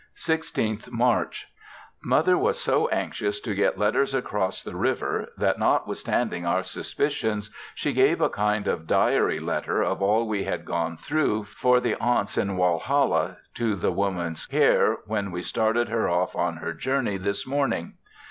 16th March. Mother was so anxious to get letters across the river, that, notwithstanding our suspicions she gave a kind of diary letter of all we had gone through for the aunts in Walhalla, to the woman's care when we started her off on her journey this morning.